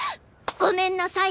ごめんなさい！